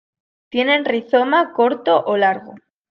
Tienen rizoma corto o largo.